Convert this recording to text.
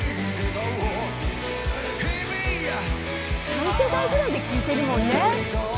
「三世代ぐらいで聴いてるもんね」